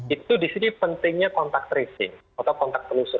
itu di sini pentingnya kontak tracing atau kontak telusur